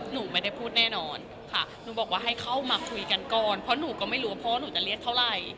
หนูไม่ได้พูดแน่นอนค่ะหนูบอกว่าให้เข้ามาคุยกันก่อนเพราะหนูก็ไม่รู้ว่าพ่อหนูจะเรียกเท่าไหร่